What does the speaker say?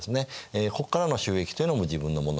ここからの収益というのも自分のものになります。